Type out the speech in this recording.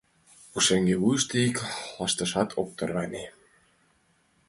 Пушеҥге вуйышто ик лышташат ок тарване.